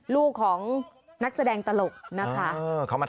ลูกของนักแสดงตลกนะคะ